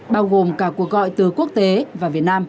bao gồm cả cuộc gọi từ quốc tế và việt nam